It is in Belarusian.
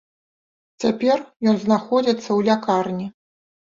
Цяпер ён знаходзіцца ў лякарні.